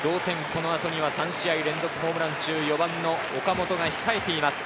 この後には３試合連続ホームランの４番・岡本が控えています。